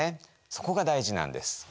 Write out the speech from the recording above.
そこが大事なんです。